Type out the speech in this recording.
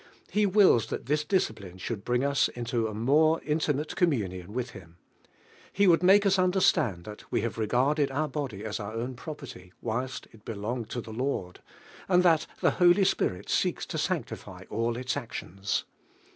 He wills that this discipline Should bring ns into a more intimate communion with Him; He would make us understand that we have regarded our body as our own prop ■rly. whilst it belonged to the Lord; and lhat Ike Holy Spirit seeks to sanctify all its actions.